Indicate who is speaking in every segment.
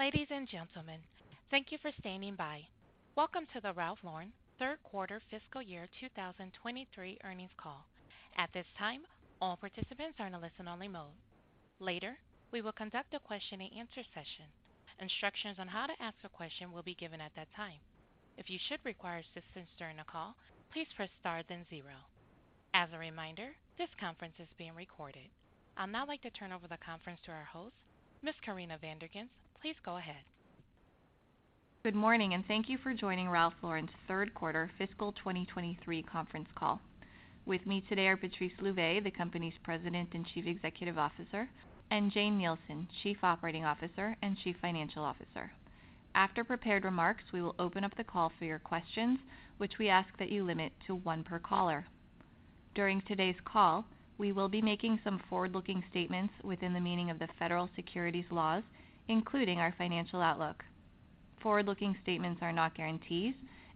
Speaker 1: Ladies and gentlemen, thank you for standing by. Welcome to the Ralph Lauren third quarter fiscal year 2023 earnings call. At this time, all participants are in a listen-only mode. Later, we will conduct a question-and-answer session. Instructions on how to ask a question will be given at that time. If you should require assistance during the call, please press star then zero. As a reminder, this conference is being recorded. I'll now like to turn over the conference to our host, Ms. Corinna Van Der Ghinst. Please go ahead.
Speaker 2: Good morning, thank you for joining Ralph Lauren's third quarter fiscal 23 conference call. With me today are Patrice Louvet, the company's President and Chief Executive Officer, and Jane Nielsen, Chief Operating Officer and Chief Financial Officer. After prepared remarks, we will open up the call for your questions, which we ask that you limit to one per caller. During today's call, we will be making some forward-looking statements within the meaning of the federal securities laws, including our financial outlook. Forward-looking statements are not guarantees.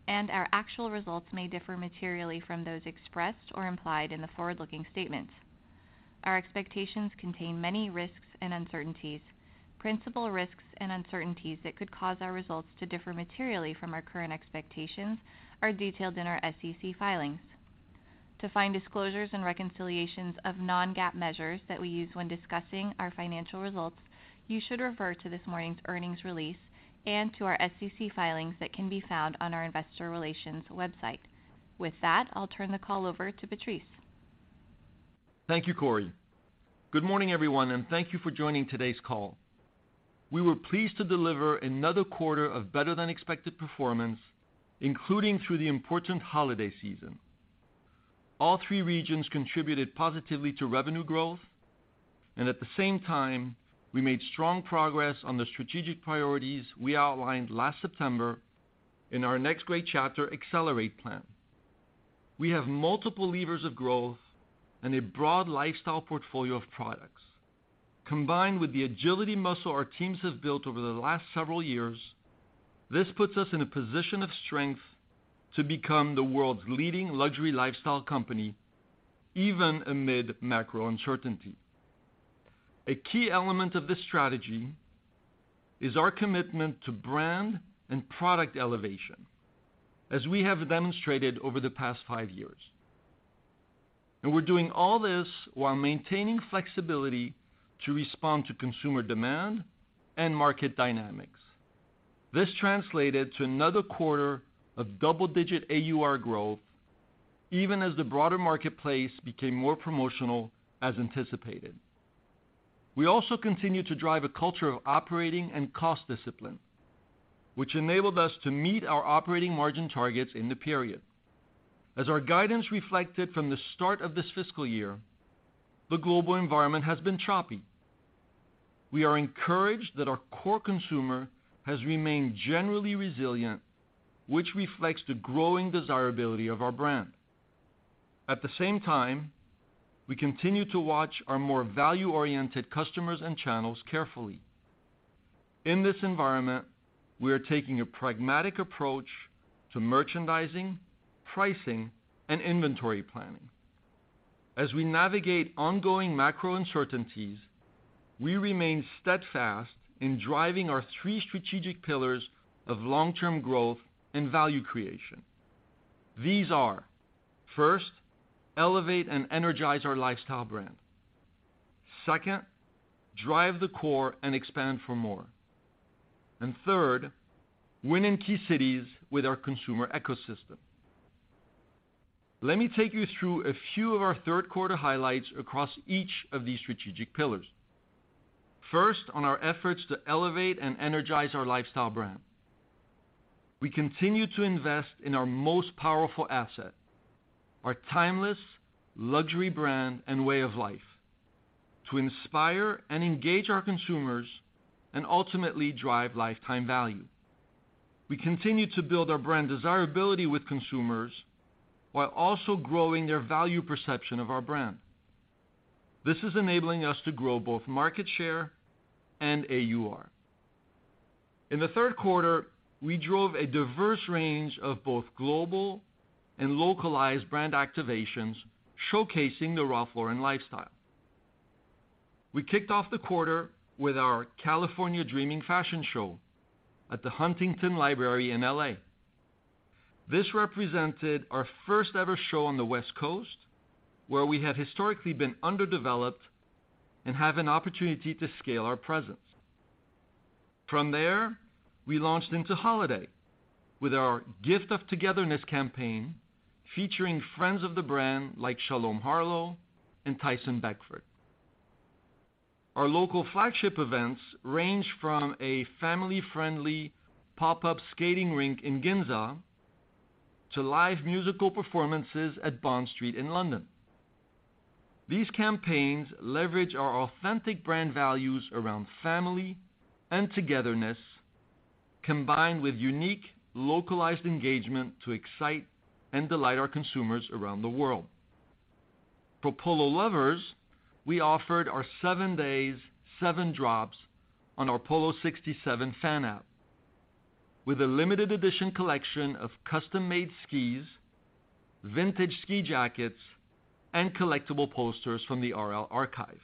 Speaker 2: Our actual results may differ materially from those expressed or implied in the forward-looking statements. Our expectations contain many risks and uncertainties. Principal risks and uncertainties that could cause our results to differ materially from our current expectations are detailed in our SEC filings. To find disclosures and reconciliations of non-GAAP measures that we use when discussing our financial results, you should refer to this morning's earnings release and to our SEC filings that can be found on our investor relations website. With that, I'll turn the call over to Patrice.
Speaker 3: Thank you, Cori. Good morning, everyone, and thank you for joining today's call. We were pleased to deliver another quarter of better-than-expected performance, including through the important holiday season. All three regions contributed positively to revenue growth, and at the same time, we made strong progress on the strategic priorities we outlined last September in our Next Great Chapter: Accelerate plan. Combined with the agility muscle our teams have built over the last several years, this puts us in a position of strength to become the world's leading luxury lifestyle company, even amid macro uncertainty. A key element of this strategy is our commitment to brand and product elevation, as we have demonstrated over the past five years. We're doing all this while maintaining flexibility to respond to consumer demand and market dynamics. This translated to another quarter of double-digit AUR growth even as the broader marketplace became more promotional as anticipated. We also continue to drive a culture of operating and cost discipline, which enabled us to meet our operating margin targets in the period. As our guidance reflected from the start of this fiscal year, the global environment has been choppy. We are encouraged that our core consumer has remained generally resilient, which reflects the growing desirability of our brand. At the same time, we continue to watch our more value-oriented customers and channels carefully. In this environment, we are taking a pragmatic approach to merchandising, pricing, and inventory planning. As we navigate ongoing macro uncertainties, we remain steadfast in driving our three strategic pillars of long-term growth and value creation. These are, first, elevate and energize our lifestyle brand. Second, drive the core and expand for more. Third, win in key cities with our consumer ecosystem. Let me take you through a few of our 3rd quarter highlights across each of these strategic pillars. First, on our efforts to elevate and energize our lifestyle brand. We continue to invest in our most powerful asset, our timeless luxury brand and way of life, to inspire and engage our consumers and ultimately drive lifetime value. We continue to build our brand desirability with consumers while also growing their value perception of our brand. This is enabling us to grow both market share and AUR. In Q3, we drove a diverse range of both global and localized brand activations showcasing the Ralph Lauren lifestyle. We kicked off the quarter with our California Dreaming Fashion Show at the Huntington Library in L.A. This represented our first ever show on the West Coast, where we had historically been underdeveloped and have an opportunity to scale our presence. From there, we launched into holiday with our The Gift of Togetherness campaign featuring friends of the brand like Shalom Harlow and Tyson Beckford. Our local flagship events range from a family-friendly pop-up skating rink in Ginza to live musical performances at Bond Street in London. These campaigns leverage our authentic brand values around family and togetherness, combined with unique localized engagement to excite and delight our consumers around the world. For Polo lovers, we offered our 7 days, 7 drops on our Polo-67 fan app. With a limited edition collection of custom-made skis, vintage ski jackets, and collectible posters from the RL archive.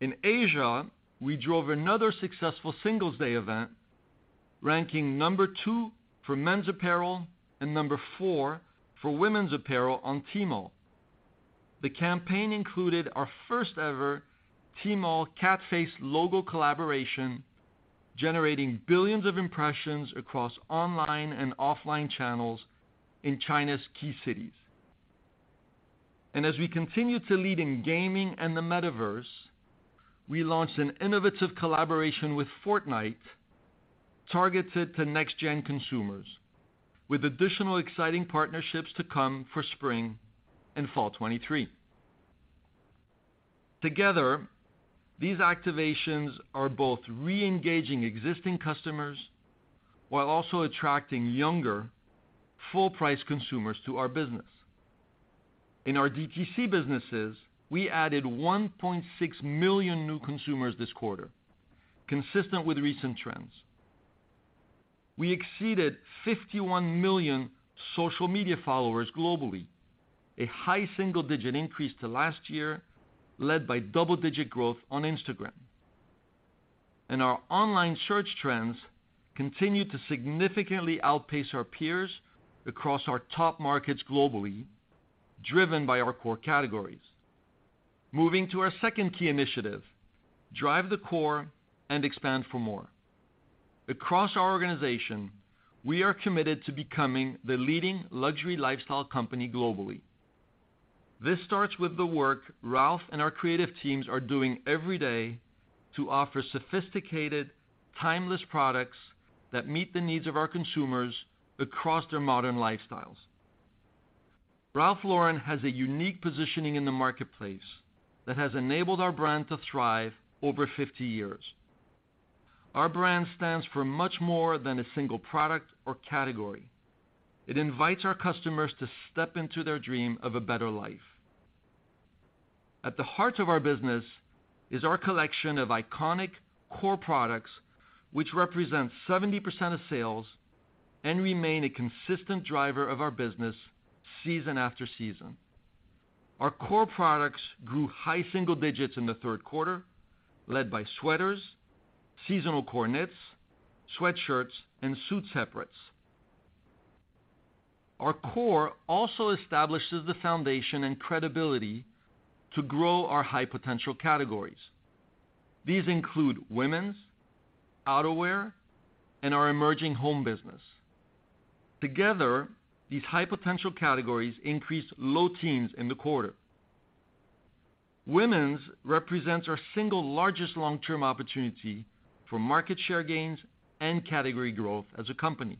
Speaker 3: In Asia, we drove another successful Singles Day event, ranking number 2 for men's apparel and number 4 for women's apparel on Tmall. The campaign included our first-ever Tmall cat-faced logo collaboration, generating billions of impressions across online and offline channels in China's key cities. As we continue to lead in gaming and the metaverse, we launched an innovative collaboration with Fortnite targeted to next-gen consumers with additional exciting partnerships to come for spring and fall 2023. Together, these activations are both reengaging existing customers while also attracting younger, full-price consumers to our business. In our DTC businesses, we added 1.6 million new consumers this quarter, consistent with recent trends. We exceeded 51 million social media followers globally, a high single-digit increase to last year, led by double-digit growth on Instagram. Our online search trends continue to significantly outpace our peers across our top markets globally, driven by our core categories. Moving to our second key initiative, drive the core and expand for more. Across our organization, we are committed to becoming the leading luxury lifestyle company globally. This starts with the work Ralph and our creative teams are doing every day to offer sophisticated, timeless products that meet the needs of our consumers across their modern lifestyles. Ralph Lauren has a unique positioning in the marketplace that has enabled our brand to thrive over 50 years. Our brand stands for much more than a single product or category. It invites our customers to step into their dream of a better life. At the heart of our business is our collection of iconic core products, which represent 70% of sales and remain a consistent driver of our business season after season. Our core products grew high single digits in Q3, led by sweaters, seasonal core knits, sweatshirts, and suit separates. Our core also establishes the foundation and credibility to grow our high-potential categories. These include women's, outerwear, and our emerging home business. Together, these high-potential categories increased low teens in the quarter. Women's represents our single largest long-term opportunity for market share gains and category growth as a company.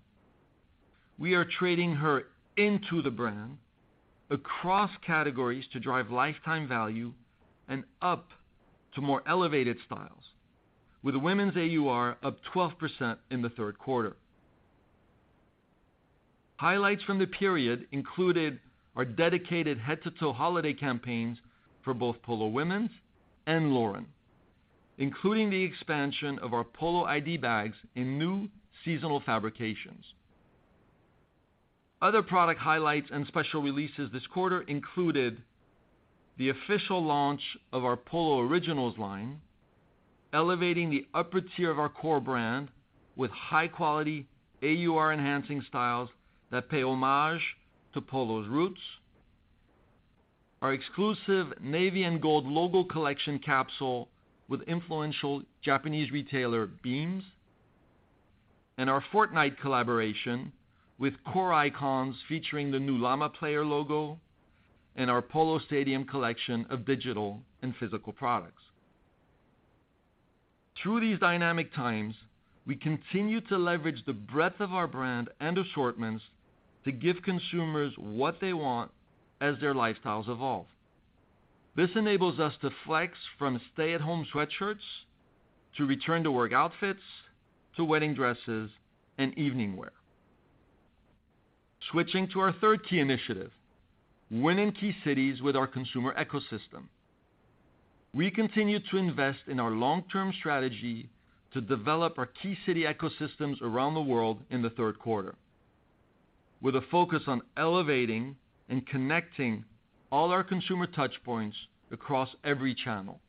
Speaker 3: We are trading her into the brand across categories to drive lifetime value and up to more elevated styles, with the women's AUR up 12% in the third quarter. Highlights from the period included our dedicated head-to-toe holiday campaigns for both Polo women's and Lauren, including the expansion of our Polo ID bags in new seasonal fabrications. Other product highlights and special releases this quarter included the official launch of our Polo Originals line, elevating the upper tier of our core brand with high-quality AUR enhancing styles that pay homage to Polo's roots, our exclusive navy and gold logo collection capsule with influential Japanese retailer, BEAMS, and our Fortnite collaboration with core icons featuring the new llama player logo and our Polo Stadium collection of digital and physical products. Through these dynamic times, we continue to leverage the breadth of our brand and assortments to give consumers what they want as their lifestyles evolve. This enables us to flex from stay-at-home sweatshirts to return-to-work outfits, to wedding dresses and evening wear. Switching to our third key initiative, win in key cities with our consumer ecosystem. We continue to invest in our long-term strategy to develop our key city ecosystems around the world in the third quarter, with a focus on elevating and connecting all our consumer touch points across every channel.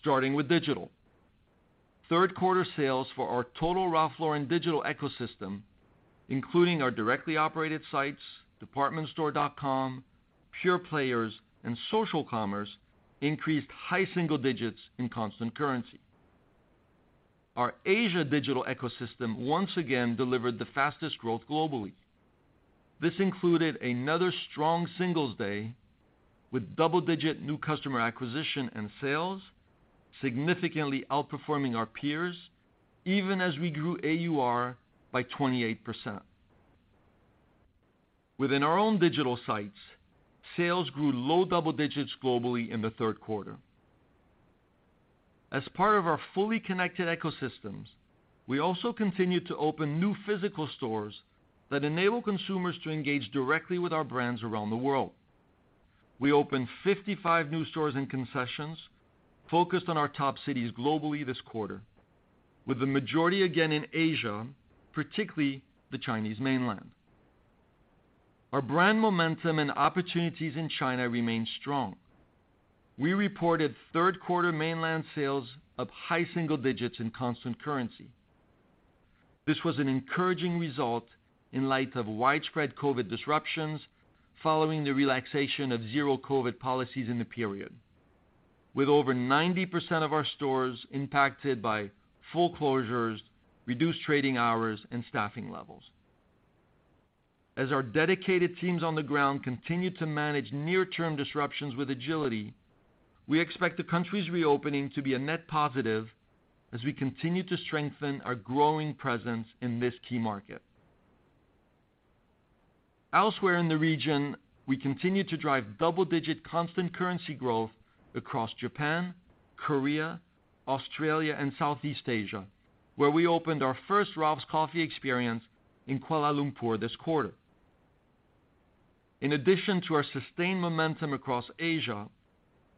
Speaker 3: Starting with digital. Third quarter sales for our total Ralph Lauren digital ecosystem, including our directly operated site, departmentstore.com, pure players, and social commerce, increased high single digits in constant currency. Our Asia digital ecosystem once again delivered the fastest growth globally. This included another strong Singles Day with double-digit new customer acquisition and sales, significantly outperforming our peers, even as we grew AUR by 28%. Within our own digital sites, sales grew low double digits globally in the third quarter. As part of our fully connected ecosystems, we also continued to open new physical stores that enable consumers to engage directly with our brands around the world. We opened 55 new stores and concessions focused on our top cities globally this quarter, with the majority again in Asia, particularly the Chinese mainland. Our brand momentum and opportunities in China remain strong. We reported third quarter mainland sales of high single digits in constant currency. This was an encouraging result in light of widespread COVID disruptions following the relaxation of zero COVID policies in the period. With over 90% of our stores impacted by full closures, reduced trading hours, and staffing levels. As our dedicated teams on the ground continue to manage near-term disruptions with agility, we expect the country's reopening to be a net positive as we continue to strengthen our growing presence in this key market. Elsewhere in the region, we continue to drive double-digit constant currency growth across Japan, Korea, Australia, and Southeast Asia, where we opened our first Ralph's Coffee experience in Kuala Lumpur this quarter. In addition to our sustained momentum across Asia,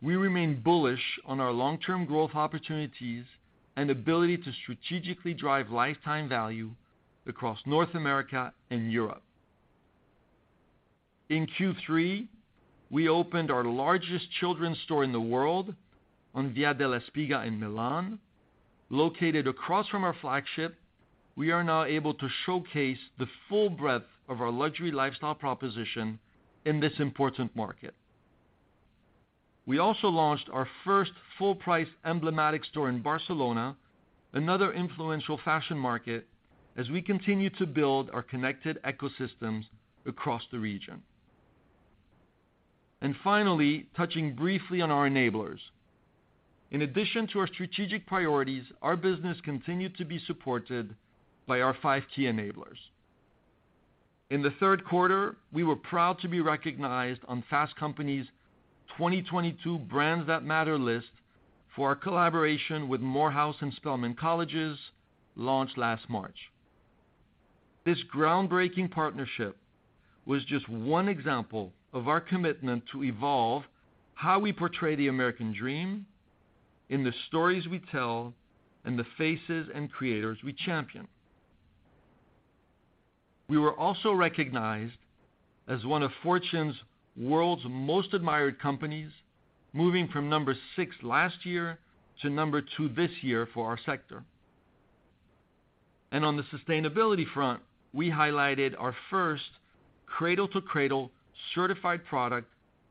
Speaker 3: we remain bullish on our long-term growth opportunities and ability to strategically drive lifetime value across North America and Europe. In Q3, we opened our largest children's store in the world on Via della Spiga in Milan. Located across from our flagship, we are now able to showcase the full breadth of our luxury lifestyle proposition in this important market. We also launched our first full-price emblematic store in Barcelona, another influential fashion market, as we continue to build our connected ecosystems across the region. Finally, touching briefly on our enablers. In addition to our strategic priorities, our business continued to be supported by our five key enablers. In the third quarter, we were proud to be recognized on Fast Company's 2022 Brands That Matter list for our collaboration with Morehouse and Spelman Colleges launched last March. This groundbreaking partnership was just one example of our commitment to evolve how we portray the American dream in the stories we tell and the faces and creators we champion. We were also recognized as one of Fortune's World's Most Admired Companies, moving from number six last year to number two this year for our sector. On the sustainability front, we highlighted our first Cradle to Cradle Certified product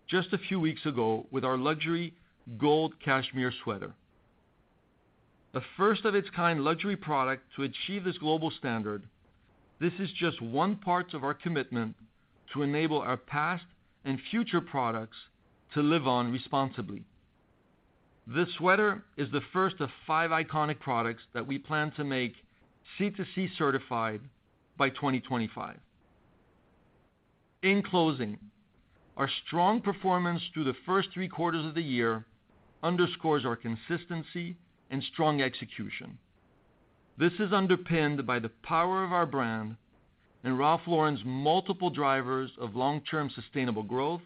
Speaker 3: just a few weeks ago with our luxury gold cashmere sweater. The first of its kind luxury product to achieve this global standard, this is just one part of our commitment to enable our past and future products to live on responsibly. This sweater is the first of five iconic products that we plan to make C2C certified by 2025. In closing, our strong performance through the first three quarters of the year underscores our consistency and strong execution. This is underpinned by the power of our brand and Ralph Lauren's multiple drivers of long-term sustainable growth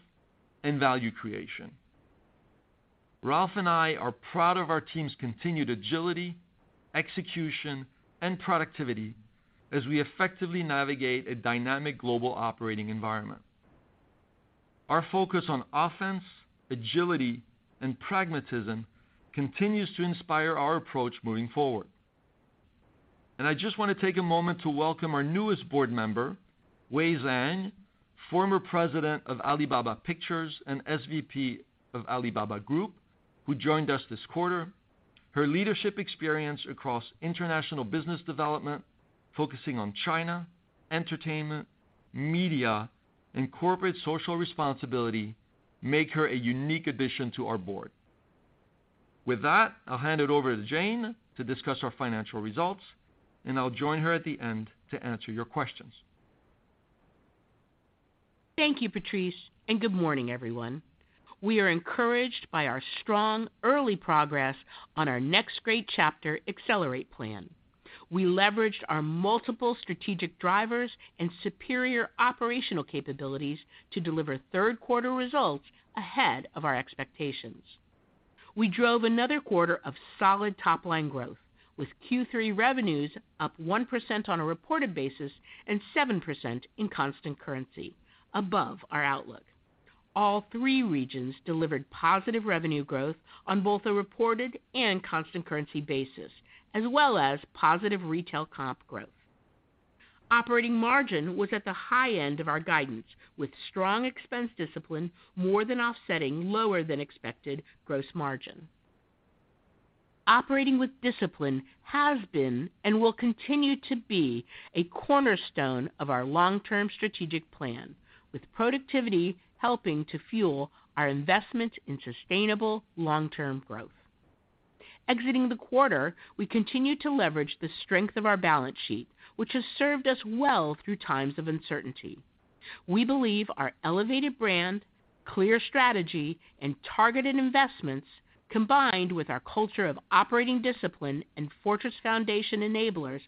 Speaker 3: and value creation. Ralph and I are proud of our team's continued agility, execution, and productivity as we effectively navigate a dynamic global operating environment. Our focus on offense, agility, and pragmatism continues to inspire our approach moving forward. I just want to take a moment to welcome our newest board member, Wei Zhang, former president of Alibaba Pictures and SVP of Alibaba Group, who joined us this quarter. Her leadership experience across international business development, focusing on China, entertainment, media, and corporate social responsibility make her a unique addition to our board. With that, I'll hand it over to Jane to discuss our financial results, and I'll join her at the end to answer your questions.
Speaker 4: Thank you, Patrice. Good morning, everyone. We are encouraged by our strong early progress on our Next Great Chapter: Accelerate plan. We leveraged our multiple strategic drivers and superior operational capabilities to deliver 3rd-quarter results ahead of our expectations. We drove another quarter of solid top-line growth, with Q3 revenues up 1% on a reported basis and 7% in constant currency above our outlook. All three regions delivered positive revenue growth on both a reported and constant currency basis, as well as positive retail comp growth. Operating margin was at the high end of our guidance, with strong expense discipline more than offsetting lower than expected gross margin. Operating with discipline has been and will continue to be a cornerstone of our long-term strategic plan, with productivity helping to fuel our investment in sustainable long-term growth. Exiting the quarter, we continued to leverage the strength of our balance sheet, which has served us well through times of uncertainty. We believe our elevated brand, clear strategy, and targeted investments, combined with our culture of operating discipline and fortress foundation enablers,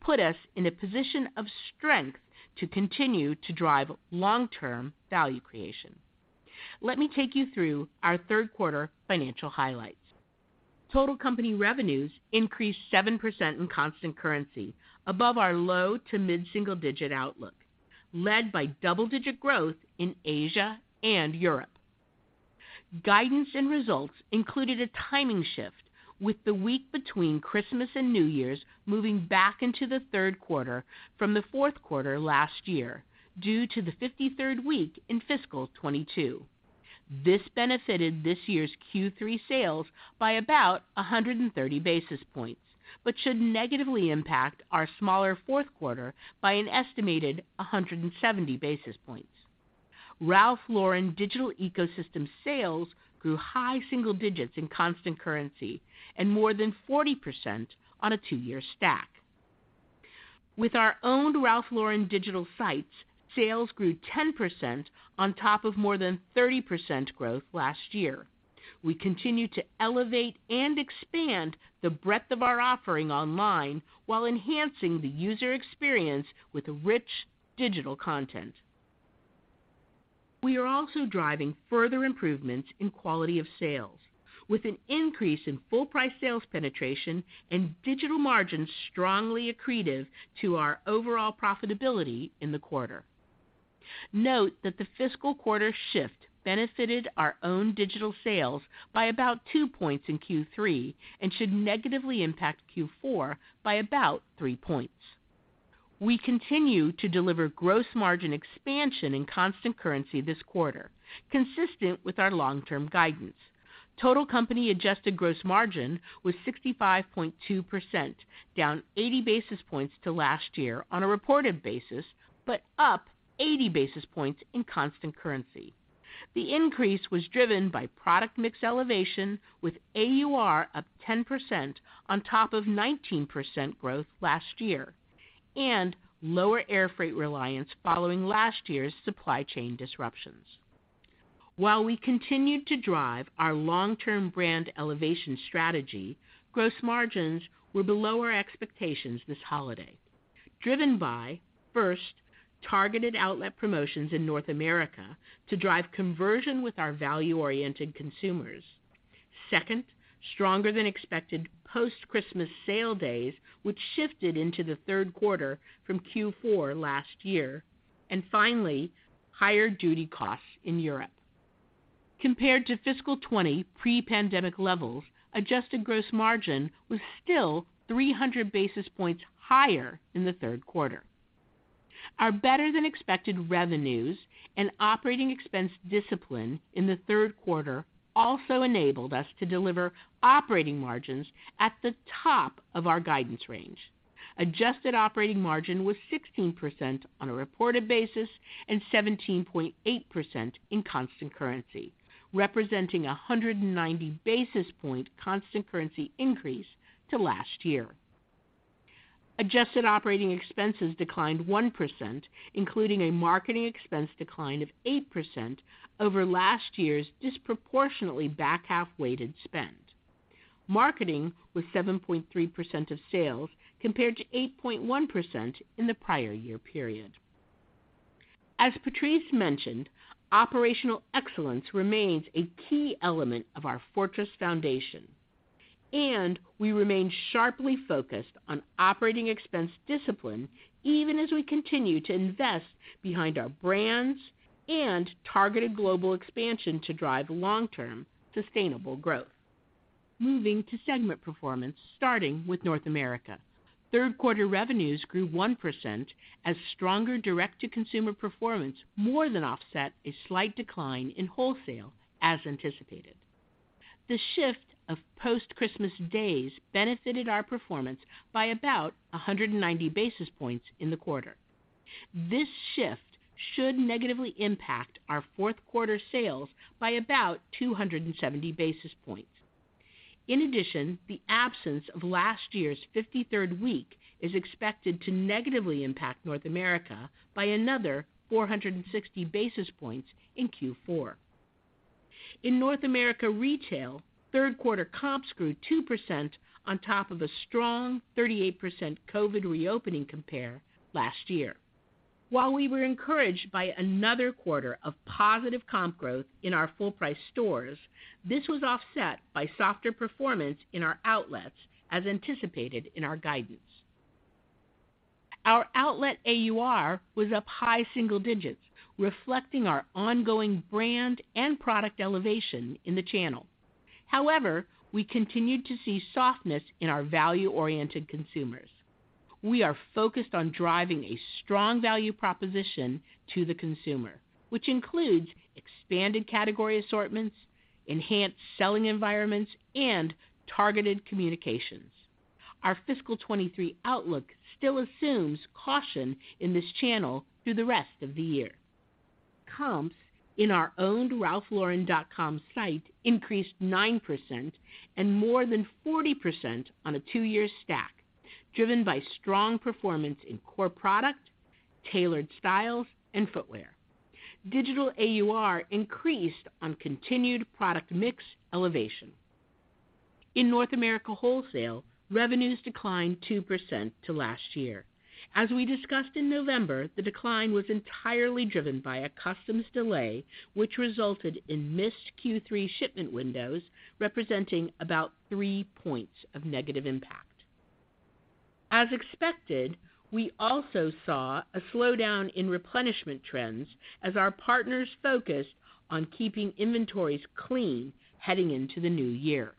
Speaker 4: put us in a position of strength to continue to drive long-term value creation. Let me take you through our third quarter financial highlights. Total company revenues increased 7% in constant currency above our low- to mid-single-digit outlook, led by double-digit growth in Asia and Europe. Guidance and results included a timing shift with the week between Christmas and New Year's moving back into the third quarter from the fourth quarter last year due to the 53rd week in fiscal 2022. This benefited this year's Q3 sales by about 130 basis points, but should negatively impact our smaller fourth quarter by an estimated 170 basis points. Ralph Lauren digital ecosystem sales grew high single digits in constant currency and more than 40% on a two-year stack. With our owned Ralph Lauren digital sites, sales grew 10% on top of more than 30% growth last year. We continue to elevate and expand the breadth of our offering online while enhancing the user experience with rich digital content. We are also driving further improvements in quality of sales with an increase in full price sales penetration and digital margins strongly accretive to our overall profitability in the quarter. Note that the fiscal quarter shift benefited our own digital sales by about 2 points in Q3 and should negatively impact Q4 by about 3 points. We continue to deliver gross margin expansion in constant currency this quarter, consistent with our long-term guidance. Total company adjusted gross margin was 65.2%, down 80 basis points to last year on a reported basis, but up 80 basis points in constant currency. The increase was driven by product mix elevation with AUR up 10% on top of 19% growth last year, and lower air freight reliance following last year's supply chain disruptions. While we continued to drive our long-term brand elevation strategy, gross margins were below our expectations this holiday, driven by, first, targeted outlet promotions in North America to drive conversion with our value-oriented consumers. Second, stronger than expected post-Christmas sale days, which shifted into the third quarter from Q4 last year. Finally, higher duty costs in Europe. Compared to fiscal 20 pre-pandemic levels, adjusted gross margin was still 300 basis points higher in the third quarter. Our better than expected revenues and operating expense discipline in the third quarter also enabled us to deliver operating margins at the top of our guidance range. Adjusted operating margin was 16% on a reported basis and 17.8% in constant currency, representing a 190 basis point constant currency increase to last year. Adjusted operating expenses declined 1%, including a marketing expense decline of 8% over last year's disproportionately back-half weighted spend. Marketing was 7.3% of sales compared to 8.1% in the prior year period. As Patrice mentioned, operational excellence remains a key element of our fortress foundation, and we remain sharply focused on operating expense discipline even as we continue to invest behind our brands and targeted global expansion to drive long-term sustainable growth. Moving to segment performance, starting with North America. Third quarter revenues grew 1% as stronger direct-to-consumer performance more than offset a slight decline in wholesale as anticipated. The shift of post-Christmas days benefited our performance by about 190 basis points in the quarter. This shift should negatively impact our fourth quarter sales by about 270 basis points. In addition, the absence of last year's fifty-third week is expected to negatively impact North America by another 460 basis points in Q4. In North America retail, third quarter comps grew 2% on top of a strong 38% COVID reopening compare last year. While we were encouraged by another quarter of positive comp growth in our full price stores, this was offset by softer performance in our outlets as anticipated in our guidance. Our outlet AUR was up high single digits, reflecting our ongoing brand and product elevation in the channel. However, we continued to see softness in our value-oriented consumers. We are focused on driving a strong value proposition to the consumer, which includes expanded category assortments, enhanced selling environments, and targeted communications. Our fiscal 23 outlook still assumes caution in this channel through the rest of the year. Comps in our owned ralphlauren.com site increased 9% and more than 40% on a two-year stack, driven by strong performance in core product, tailored styles, and footwear. Digital AUR increased on continued product mix elevation. In North America wholesale, revenues declined 2% to last year. As we discussed in November, the decline was entirely driven by a customs delay, which resulted in missed Q3 shipment windows representing about 3 points of negative impact. As expected, we also saw a slowdown in replenishment trends as our partners focused on keeping inventories clean heading into the new year.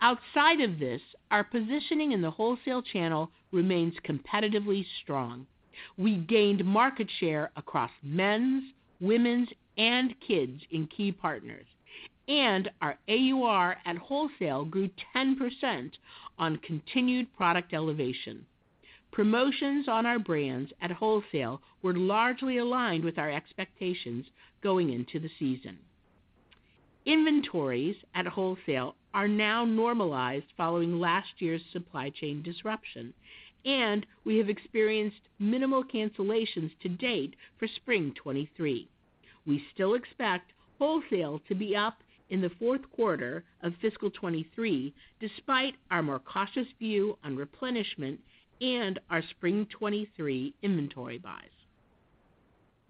Speaker 4: Outside of this, our positioning in the wholesale channel remains competitively strong. We gained market share across men's, women's, and kids in key partners, and our AUR at wholesale grew 10% on continued product elevation. Promotions on our brands at wholesale were largely aligned with our expectations going into the season. Inventories at wholesale are now normalized following last year's supply chain disruption, and we have experienced minimal cancellations to date for spring 2023. We still expect wholesale to be up in the fourth quarter of fiscal 23, despite our more cautious view on replenishment and our spring '23 inventory buys.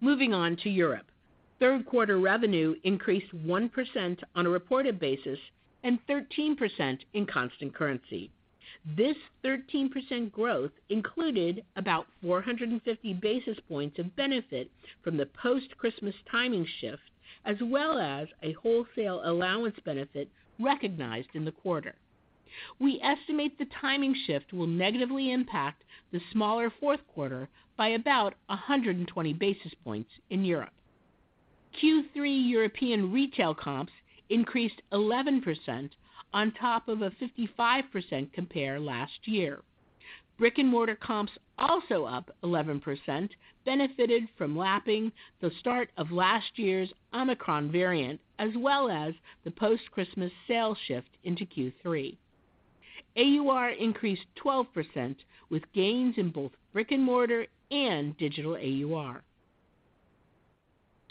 Speaker 4: Moving on to Europe. Third quarter revenue increased 1% on a reported basis and 13% in constant currency. This 13% growth included about 450 basis points of benefit from the post-Christmas timing shift, as well as a wholesale allowance benefit recognized in the quarter. We estimate the timing shift will negatively impact the smaller fourth quarter by about 120 basis points in Europe. Q3 European retail comps increased 11% on top of a 55% compare last year. Brick-and-mortar comps, also up 11%, benefited from lapping the start of last year's Omicron variant as well as the post-Christmas sales shift into Q3. AUR increased 12% with gains in both brick-and-mortar and digital AUR.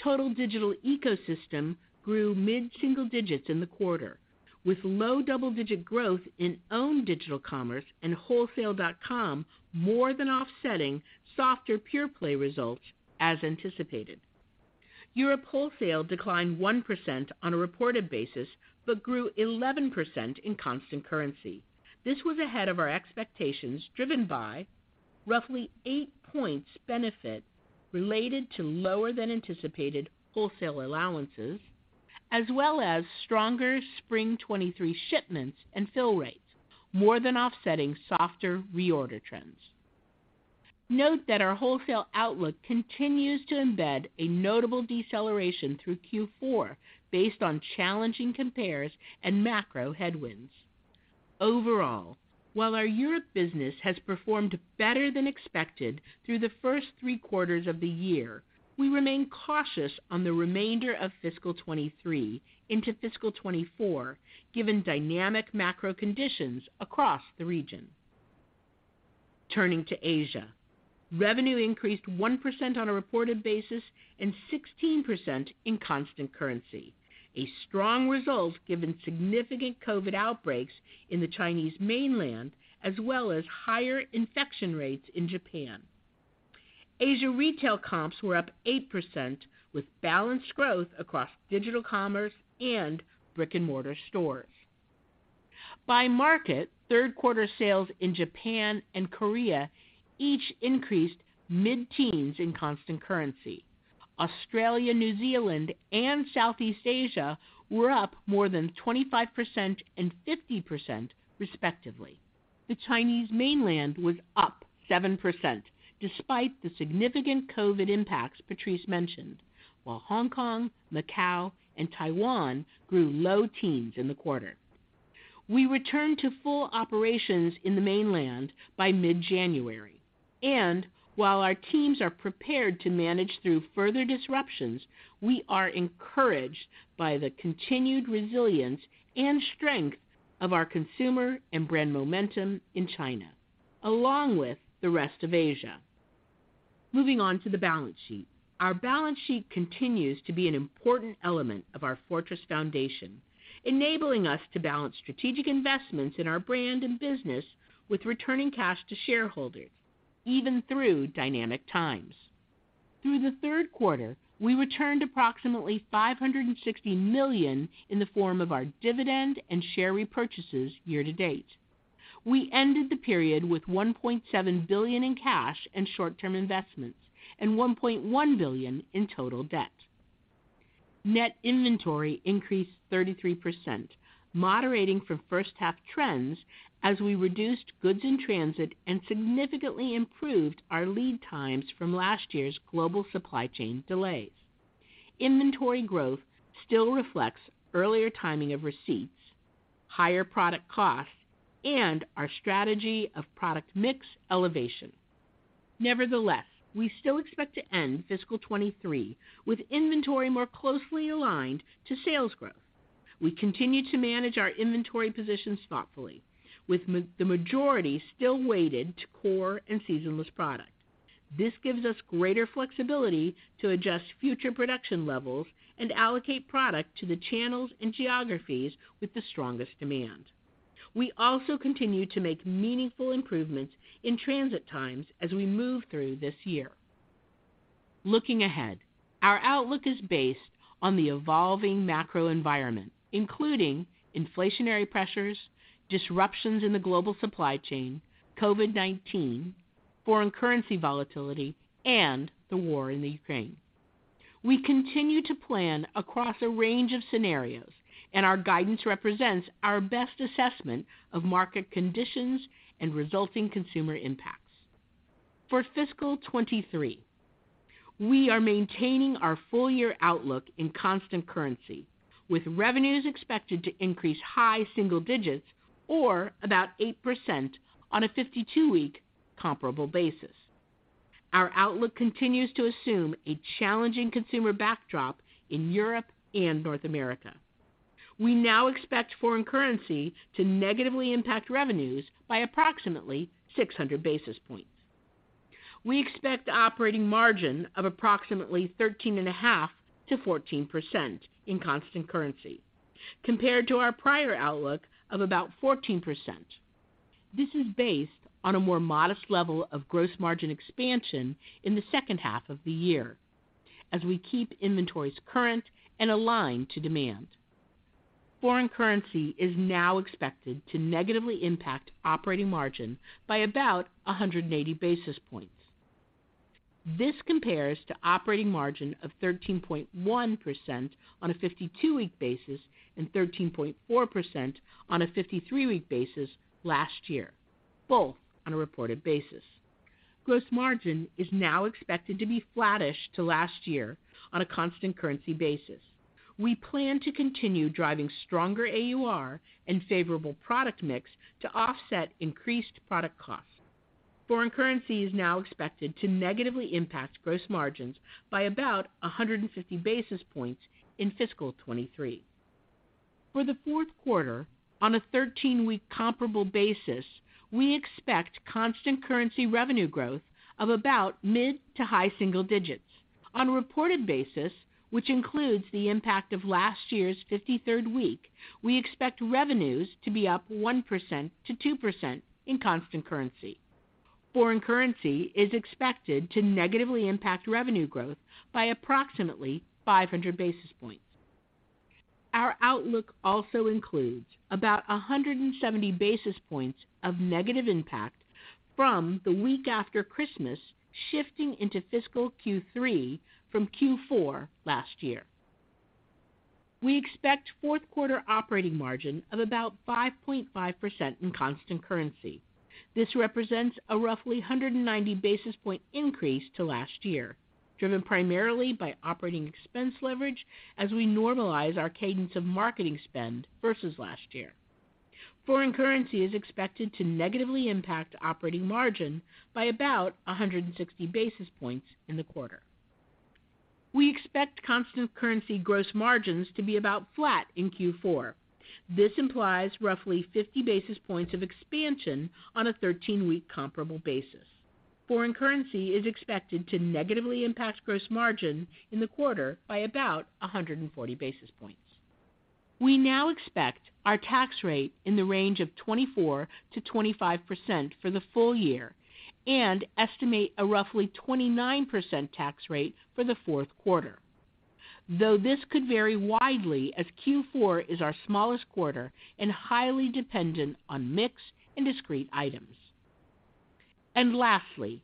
Speaker 4: Total digital ecosystem grew mid-single digits in the quarter, with low double-digit growth in own digital commerce and wholesale.com more than offsetting softer pure-play results as anticipated. Europe wholesale declined 1% on a reported basis but grew 11% in constant currency. This was ahead of our expectations, driven by roughly 8 points benefit related to lower than anticipated wholesale allowances as well as stronger spring 2023 shipments and fill rates, more than offsetting softer reorder trends. Note that our wholesale outlook continues to embed a notable deceleration through Q4 based on challenging compares and macro headwinds. Overall, while our Europe business has performed better than expected through the first three quarters of the year, we remain cautious on the remainder of fiscal 2023 into fiscal 2024, given dynamic macro conditions across the region. Turning to Asia, revenue increased 1% on a reported basis and 16% in constant currency. A strong result given significant COVID outbreaks in the Chinese mainland as well as higher infection rates in Japan. Asia retail comps were up 8%, with balanced growth across digital commerce and brick-and-mortar stores. By market, third quarter sales in Japan and Korea each increased mid-teens in constant currency. Australia, New Zealand, and Southeast Asia were up more than 25% and 50% respectively. The Chinese mainland was up 7% despite the significant COVID impacts Patrice mentioned, while Hong Kong, Macau, and Taiwan grew low teens in the quarter. We return to full operations in the mainland by mid-January. While our teams are prepared to manage through further disruptions, we are encouraged by the continued resilience and strength of our consumer and brand momentum in China, along with the rest of Asia. Moving on to the balance sheet. Our balance sheet continues to be an important element of our fortress foundation, enabling us to balance strategic investments in our brand and business with returning cash to shareholders, even through dynamic times. Through the third quarter, we returned approximately $560 million in the form of our dividend and share repurchases year to date. We ended the period with $1.7 billion in cash and short-term investments and $1.1 billion in total debt. Net inventory increased 33%, moderating from first half trends as we reduced goods in transit and significantly improved our lead times from last year's global supply chain delays. Inventory growth still reflects earlier timing of receipts, higher product costs, and our strategy of product mix elevation. Nevertheless, we still expect to end fiscal 2023 with inventory more closely aligned to sales growth. We continue to manage our inventory position thoughtfully, with the majority still weighted to core and seasonless product. This gives us greater flexibility to adjust future production levels and allocate product to the channels and geographies with the strongest demand. We also continue to make meaningful improvements in transit times as we move through this year. Looking ahead, our outlook is based on the evolving macro environment, including inflationary pressures, disruptions in the global supply chain, COVID-19, foreign currency volatility, and the war in the Ukraine. We continue to plan across a range of scenarios, and our guidance represents our best assessment of market conditions and resulting consumer impacts. For fiscal 2023, we are maintaining our full year outlook in constant currency, with revenues expected to increase high single digits or about 8% on a 52-week comparable basis. Our outlook continues to assume a challenging consumer backdrop in Europe and North America. We now expect foreign currency to negatively impact revenues by approximately 600 basis points. We expect operating margin of approximately 13.5%-14% in constant currency compared to our prior outlook of about 14%. This is based on a more modest level of gross margin expansion in the second half of the year as we keep inventories current and aligned to demand. Foreign currency is now expected to negatively impact operating margin by about 180 basis points. This compares to operating margin of 13.1% on a 52-week basis and 13.4% on a 53-week basis last year, both on a reported basis. Gross margin is now expected to be flattish to last year on a constant currency basis. We plan to continue driving stronger AUR and favorable product mix to offset increased product costs. Foreign currency is now expected to negatively impact gross margins by about 150 basis points in FY 2023. For the fourth quarter, on a 13-week comparable basis, we expect constant currency revenue growth of about mid to high single digits. On a reported basis, which includes the impact of last year's 53rd week, we expect revenues to be up 1% to 2% in constant currency. Foreign currency is expected to negatively impact revenue growth by approximately 500 basis points. Our outlook also includes about 170 basis points of negative impact from the week after Christmas shifting into fiscal Q3 from Q4 last year. We expect fourth quarter operating margin of about 5.5% in constant currency. This represents a roughly 190 basis point increase to last year, driven primarily by operating expense leverage as we normalize our cadence of marketing spend versus last year. Foreign currency is expected to negatively impact operating margin by about 160 basis points in the quarter. We expect constant currency gross margins to be about flat in Q4. This implies roughly 50 basis points of expansion on a 13-week comparable basis. Foreign currency is expected to negatively impact gross margin in the quarter by about 140 basis points. We now expect our tax rate in the range of 24%-25% for the full year and estimate a roughly 29% tax rate for the fourth quarter, though this could vary widely as Q four is our smallest quarter and highly dependent on mix and discrete items. Lastly,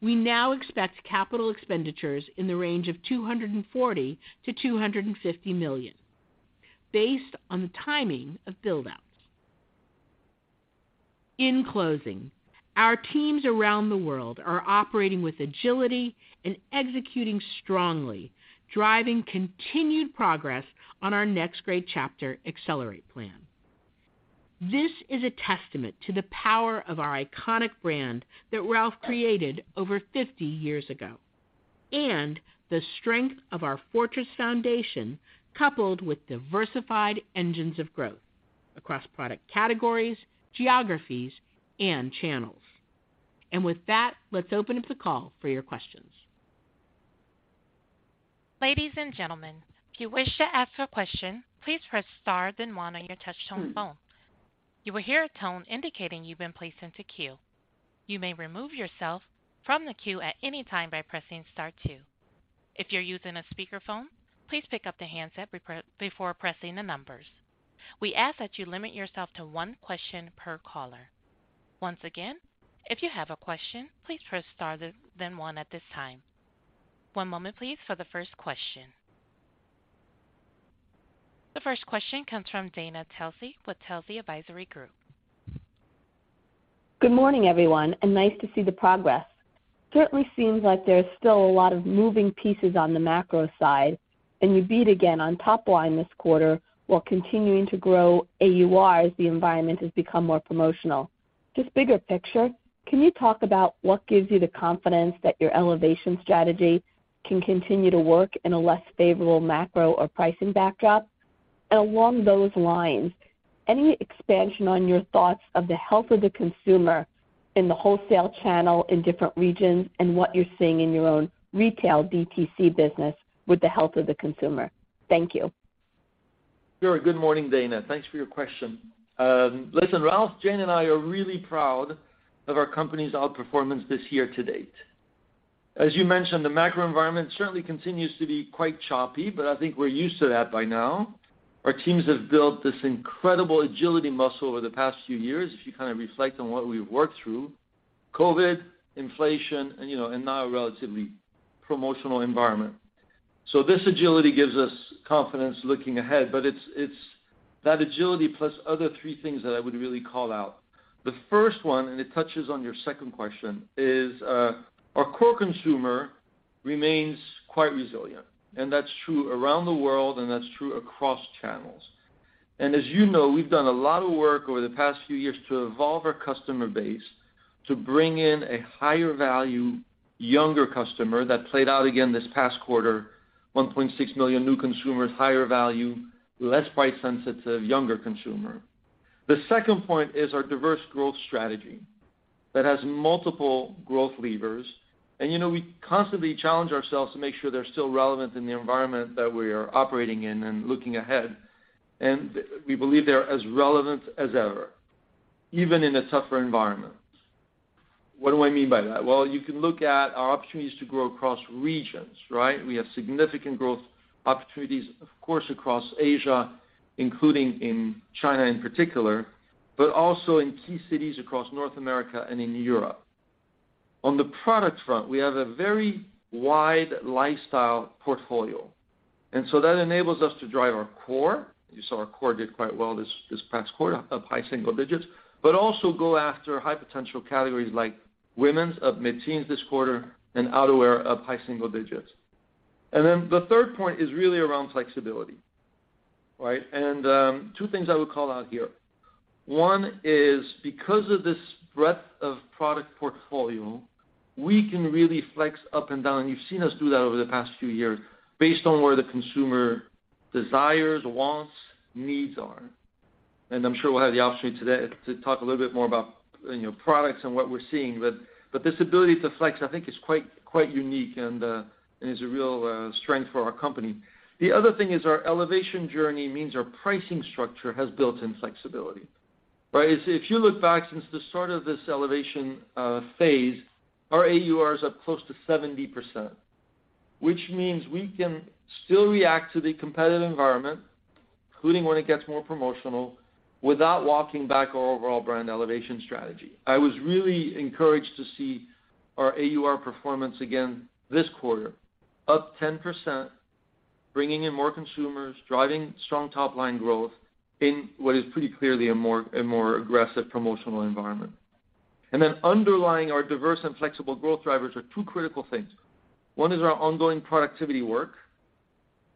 Speaker 4: we now expect capital expenditures in the range of $240 million-$250 million based on the timing of build outs. In closing, our teams around the world are operating with agility and executing strongly, driving continued progress on our Next Great Chapter: Accelerate plan. This is a testament to the power of our iconic brand that Ralph created over 50 years ago and the strength of our fortress foundation coupled with diversified engines of growth across product categories, geographies, and channels. With that, let's open up the call for your questions.
Speaker 1: Ladies and gentlemen, if you wish to ask a question, please press star then one on your touchtone phone. You will hear a tone indicating you've been placed into queue. You may remove yourself from the queue at any time by pressing star two. If you're using a speakerphone, please pick up the handset before pressing the numbers. We ask that you limit yourself to one question per caller. Once again, if you have a question, please press star then one at this time. One moment please for the first question. The first question comes from Dana Telsey with Telsey Advisory Group.
Speaker 5: Good morning, everyone. Nice to see the progress. Certainly seems like there's still a lot of moving pieces on the macro side. You beat again on top line this quarter while continuing to grow AUR as the environment has become more promotional. Just bigger picture, can you talk about what gives you the confidence that your elevation strategy can continue to work in a less favorable macro or pricing backdrop? Along those lines, any expansion on your thoughts of the health of the consumer in the wholesale channel in different regions and what you're seeing in your own retail DTC business with the health of the consumer? Thank you.
Speaker 3: Sure. Good morning, Dana. Thanks for your question. Listen, Ralph, Jane, and I are really proud of our company's outperformance this year to date. As you mentioned, the macro environment certainly continues to be quite choppy, but I think we're used to that by now. Our teams have built this incredible agility muscle over the past few years, if you reflect on what we've worked through. COVID, inflation, and you know, and now a relatively promotional environment. This agility gives us confidence looking ahead, but it's that agility plus other three things that I would really call out. The first one, and it touches on your second question, is, our core consumer remains quite resilient, and that's true around the world, and that's true across channels. As you know, we've done a lot of work over the past few years to evolve our customer base to bring in a higher value, younger customer that played out again this past quarter, $1.6 million new consumers, higher value, less price sensitive, younger consumer. The second point is our diverse growth strategy that has multiple growth levers. You know, we constantly challenge ourselves to make sure they're still relevant in the environment that we are operating in and looking ahead, and we believe they're as relevant as ever, even in a tougher environment. What do I mean by that? Well, you can look at our opportunities to grow across regions, right? We have significant growth opportunities, of course, across Asia, including in China in particular, but also in key cities across North America and in Europe. On the product front, we have a very wide lifestyle portfolio. That enables us to drive our core. You saw our core did quite well this past quarter, up high single digits, but also go after high potential categories like women's up mid-teens this quarter and outerwear up high single digits. The third point is really around flexibility, right? Two things I would call out here. One is because of this breadth of product portfolio, we can really flex up and down. You've seen us do that over the past few years based on where the consumer desires, wants, needs are. I'm sure we'll have the opportunity today to talk a little bit more about, you know, products and what we're seeing. This ability to flex, I think is quite unique and is a real strength for our company. The other thing is our elevation journey means our pricing structure has built in flexibility, right? If you look back since the start of this elevation phase, our AUR is up close to 70%, which means we can still react to the competitive environment, including when it gets more promotional, without walking back our overall brand elevation strategy. I was really encouraged to see our AUR performance again this quarter, up 10%, bringing in more consumers, driving strong top-line growth in what is pretty clearly a more aggressive promotional environment. Then underlying our diverse and flexible growth drivers are two critical things. One is our ongoing productivity work,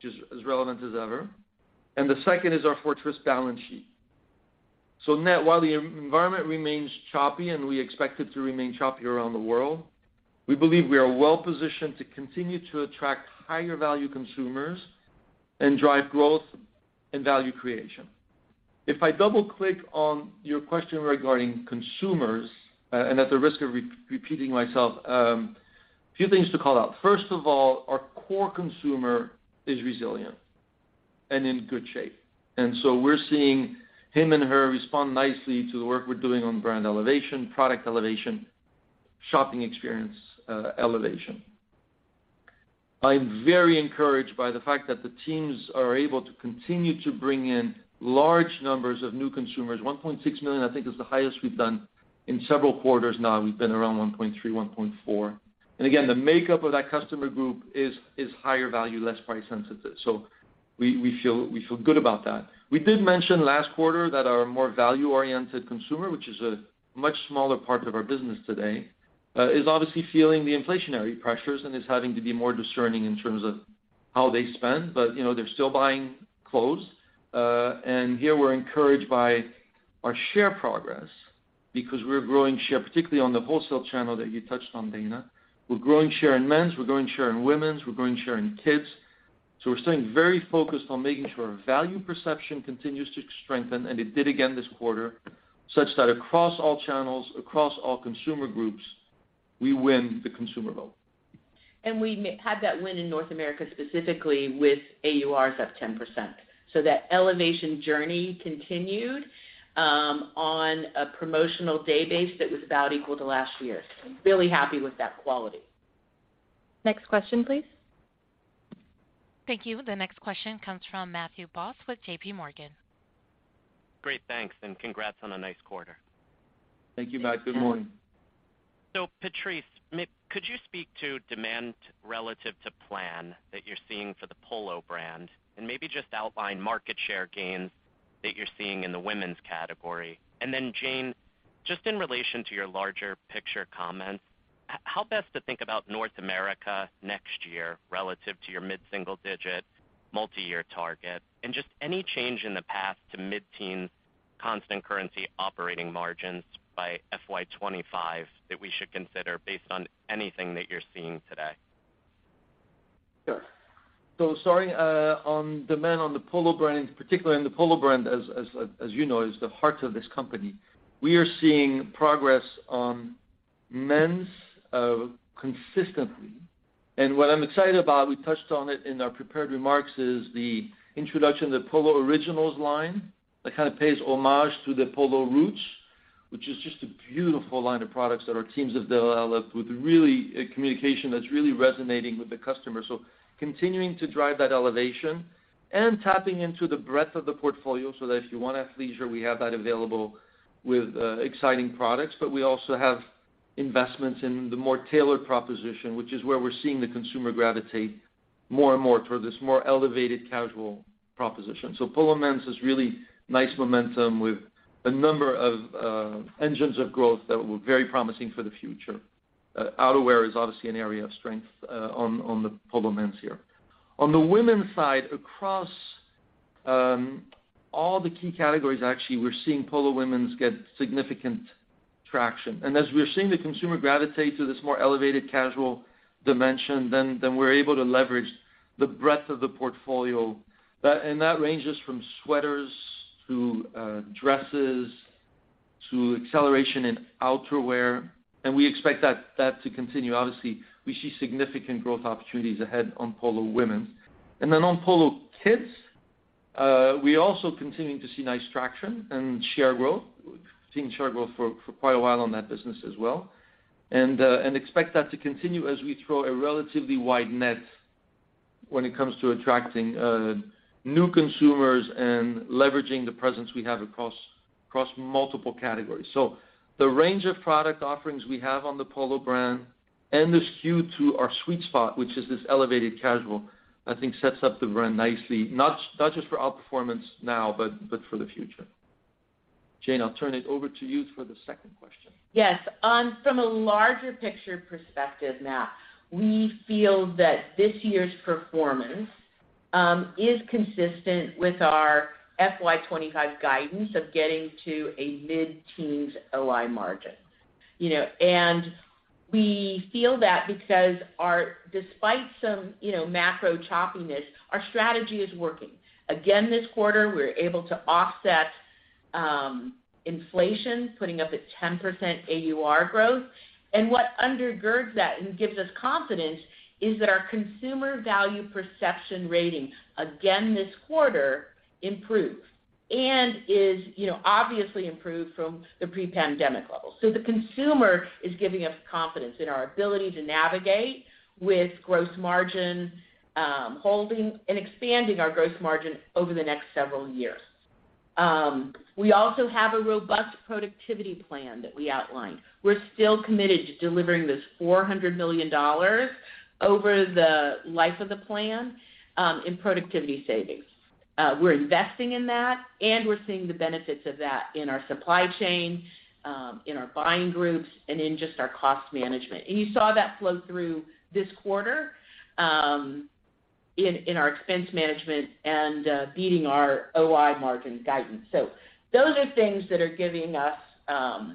Speaker 3: which is as relevant as ever, and the second is our fortress balance sheet. Net, while the environment remains choppy and we expect it to remain choppy around the world, we believe we are well-positioned to continue to attract higher value consumers and drive growth and value creation. If I double-click on your question regarding consumers, and at the risk of repeating myself, a few things to call out. First of all, our core consumer is resilient and in good shape. We're seeing him and her respond nicely to the work we're doing on brand elevation, product elevation, shopping experience, elevation. I'm very encouraged by the fact that the teams are able to continue to bring in large numbers of new consumers. $1.6 million, I think, is the highest we've done in several quarters now. We've been around $1.3 million, $1.4 million. Again, the makeup of that customer group is higher value, less price sensitive. We feel good about that. We did mention last quarter that our more value-oriented consumer, which is a much smaller part of our business today, is obviously feeling the inflationary pressures and is having to be more discerning in terms of how they spend. They're still buying clothes. Here we're encouraged by our share progress because we're growing share, particularly on the wholesale channel that you touched on, Dana. We're growing share in men's, we're growing share in women's, we're growing share in kids. We're staying very focused on making sure our value perception continues to strengthen, and it did again this quarter, such that across all channels, across all consumer groups, we win the consumer vote.
Speaker 4: We had that win in North America, specifically with AURs up 10%. That elevation journey continued on a promotional day base that was about equal to last year. Really happy with that quality.
Speaker 1: Next question, please. Thank you. The next question comes from Matthew Boss with JP Morgan.
Speaker 6: Great. Thanks and congrats on a nice quarter.
Speaker 3: Thank you, Matt. Good morning.
Speaker 4: Thanks, Matt.
Speaker 6: Patrice, could you speak to demand relative to plan that you're seeing for the Polo brand and maybe just outline market share gains that you're seeing in the women's category? Jane, just in relation to your larger picture comments, how best to think about North America next year relative to your mid-single digit multi-year target? Just any change in the path to mid-teen constant currency operating margins by FY 2025 that we should consider based on anything that you're seeing today?
Speaker 3: Sure. Starting on demand on the Polo, particularly in the Polo, as you know, is the heart of this company, we are seeing progress on men's consistently. What I'm excited about, we touched on it in our prepared remarks, is the introduction of the Polo Originals that kind of pays homage to the Polo roots, which is just a beautiful line of products that our teams have developed with really a communication that's really resonating with the customer. Continuing to drive that elevation and tapping into the breadth of the portfolio so that if you want athleisure, we have that available with exciting products. We also have investments in the more tailored proposition, which is where we're seeing the consumer gravitate more and more toward this more elevated casual proposition. Polo Men's is really nice momentum with a number of engines of growth that were very promising for the future. Outerwear is obviously an area of strength on the Polo Men's here. On the Women's side, across all the key categories actually, we're seeing Polo Women's get significant traction. As we're seeing the consumer gravitate to this more elevated casual dimension, then we're able to leverage the breadth of the portfolio. That and that ranges from sweaters to dresses to acceleration in outerwear. We expect that to continue. Obviously, we see significant growth opportunities ahead on Polo Women's. Then on Polo Kids, we also continuing to see nice traction and share growth. We've seen share growth for quite a while on that business as well, and expect that to continue as we throw a relatively wide net when it comes to attracting new consumers and leveraging the presence we have across multiple categories. The range of product offerings we have on the Polo brand and the skew to our sweet spot, which is this elevated casual, I think sets up the brand nicely, not just for outperformance now, but for the future. Jane, I'll turn it over to you for the second question.
Speaker 4: Yes. From a larger picture perspective, Matt, we feel that this year's performance is consistent with our FY 2025 guidance of getting to a mid-teens OI margin. We feel that because despite some, you know, macro choppiness, our strategy is working. Again this quarter, we were able to offset inflation, putting up a 10% AUR growth. What undergirds that and gives us confidence is that our consumer value perception rating again this quarter improved and is, you know, obviously improved from the pre-pandemic levels. The consumer is giving us confidence in our ability to navigate with gross margin, holding and expanding our gross margin over the next several years. We also have a robust productivity plan that we outlined. We're still committed to delivering this $400 million over the life of the plan in productivity savings. We're investing in that, and we're seeing the benefits of that in our supply chain, in our buying groups, and in just our cost management. You saw that flow through this quarter in our expense management and beating our OI margin guidance. Those are things that are giving us